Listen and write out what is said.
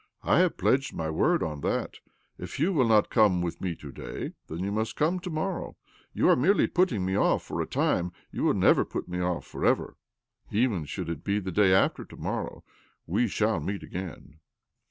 " I have pledged my word on that. If you will not come with me to day, then you must come to morrow. You are merely putting me off for a time : you will never put me off for ever. Even should it be the day after to morrow, we still shall meet again."